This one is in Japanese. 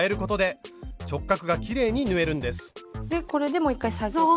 でこれでもう一回下げて。